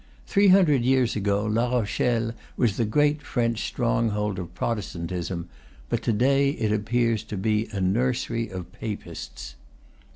Three hundred years ago, La Rochelle was the great French stronghold of Protestantism; but to day it appears to be a'nursery of Papists.